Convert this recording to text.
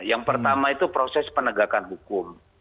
yang pertama itu proses penegakan hukum